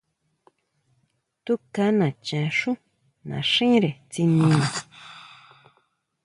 Túka nacha xú naxíre tsinina.